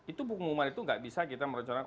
itu pengumuman itu gak bisa kita merancangkan